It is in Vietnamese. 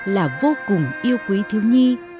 là vô cùng yêu quý thiếu nhi